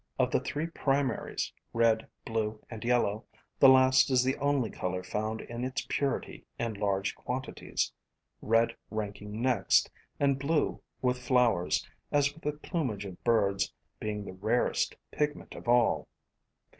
Of the three primaries, red, blue and yellow, the last is the only color found in its purity in large quantities, red ranking next, and blue, with flowers, as with the plumage of birds, being the rarest pigment of all.